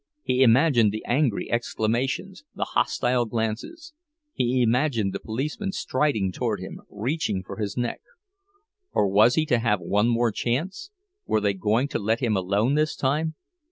He imagined the angry exclamations, the hostile glances; he imagined the policeman striding toward him—reaching for his neck. Or was he to have one more chance? Were they going to let him alone this time?